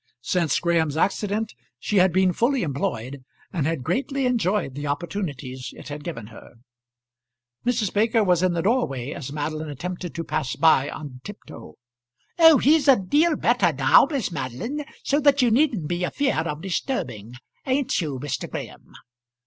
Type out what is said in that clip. Since Graham's accident she had been fully employed, and had greatly enjoyed the opportunities it had given her. Mrs. Baker was in the doorway as Madeline attempted to pass by on tiptoe. "Oh, he's a deal better now, Miss Madeline, so that you needn't be afeard of disturbing; ain't you, Mr. Graham?"